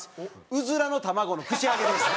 うずらの卵の串揚げです。